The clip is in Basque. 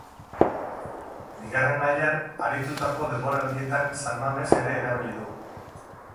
Bigarren Mailan aritutako denboraldietan San Mames ere erabili du.